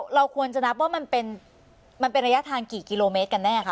เราควรจะนับว่ามันเป็นระยะทางกี่กิโลเมตรกันแน่คะ